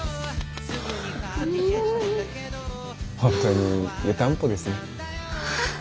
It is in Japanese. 本当に湯たんぽですね。